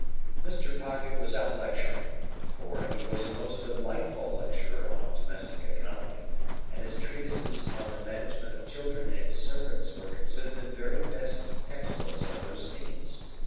Mr. Pocket was out lecturing; for, he was a most delightful lecturer on domestic economy, and his treatises on the management of children and servants were considered the very best text books on those themes.